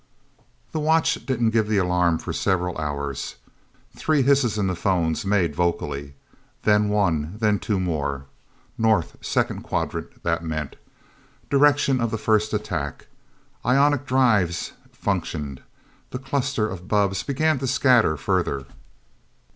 The watch didn't give the alarm for several hours. Three hisses in the phones, made vocally. Then one, then two more. North, second quadrant, that meant. Direction of first attack. Ionic drives functioned. The cluster of bubbs began to scatter further.